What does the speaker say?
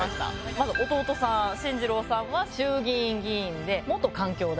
まず弟さん進次郎さんは衆議院議員で環境大臣。